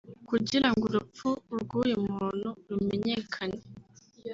Kugira ngo urupfu rw’uyu muntu rumenyekane